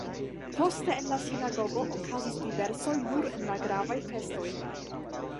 Poste en la sinagogo okazis diservoj nur en la gravaj festoj.